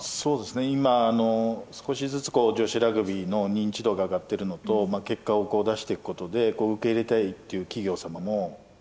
今少しずつ女子ラグビーの認知度が上がっているのと結果を出していくことで受け入れたいっていう企業様もあってですね